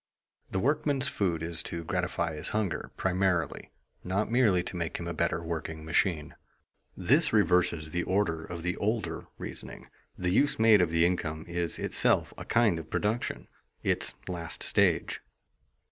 The workman's food is to gratify his hunger, primarily; not merely to make him a better working machine. This reverses the order of the older reasoning. The use made of the income is itself a kind of production its last stage.